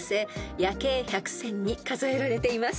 夜景１００選に数えられています］